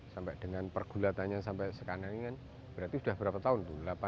sampai dengan pergulatannya sampai sekarang ini kan berarti sudah berapa tahun tuh